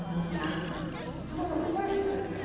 すごいなんかスタイリッシュですね。